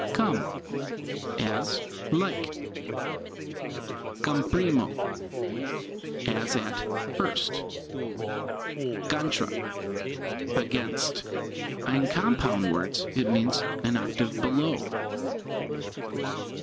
Come as, like. Come primo as at first. Contra against. In compound words means "an octave below."